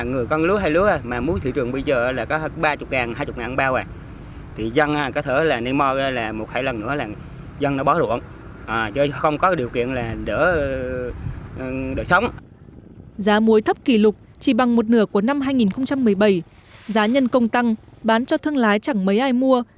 giá muối thấp kỷ lục chỉ bằng một nửa của năm hai nghìn một mươi bảy giá nhân công tăng bán cho thương lái chẳng mấy ai mua